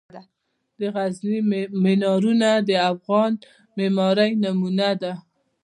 د غزني مینارونه د افغان د معمارۍ نمونه دي.